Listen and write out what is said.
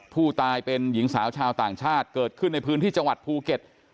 ผู้ตายเป็นหญิงสาวชาวต่างชาติเกิดขึ้นในพื้นที่จังหวัดภูเก็ต